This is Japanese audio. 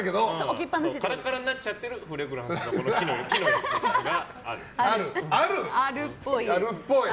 カラッカラになっちゃってるフレグランスのやつがある。